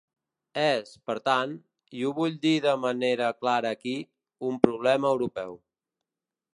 És, per tant, i ho vull dir de manera clara aquí, un problema europeu.